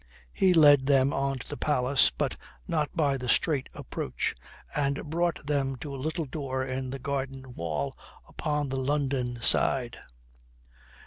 He led them on to the palace, but not by the straight approach, and brought them to a little door in the garden wall upon the London side.